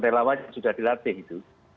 relawan sudah dilatih itu